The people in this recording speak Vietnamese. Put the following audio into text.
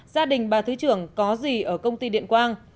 gia đình bà thứ trưởng có gì ở công ty điện quang